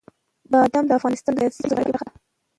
بادام د افغانستان د سیاسي جغرافیه برخه ده.